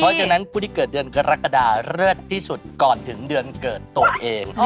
เพราะฉะนั้นผู้ที่เกิดเดือนกรกฎาเลิศที่สุดก่อนถึงเดือนเกิดตัวเอง